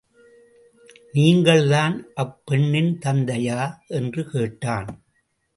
நீங்கள்தான் அப் பெண்ணின் தந்தையா? என்று கேட்டான்.